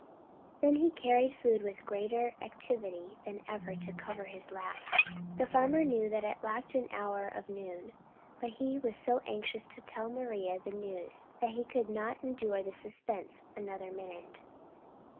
Then he carried food with greater activity than ever to cover his lapse. The farmer knew that it lacked an hour of noon, but he was so anxious to tell Maria the news that he could not endure the suspense another minute.